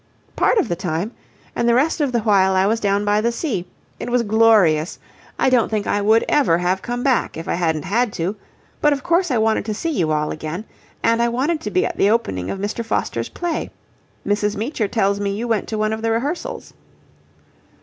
"Part of the time. And the rest of the while I was down by the sea. It was glorious. I don't think I would ever have come back if I hadn't had to. But, of course, I wanted to see you all again. And I wanted to be at the opening of Mr. Foster's play. Mrs. Meecher tells me you went to one of the rehearsals."